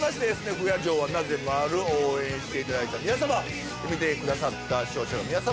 「不夜城はなぜ回る」応援していただいた皆様見てくださった視聴者の皆様